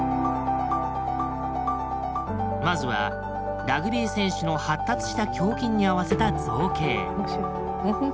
まずはラグビー選手の発達した胸筋に合わせた造形。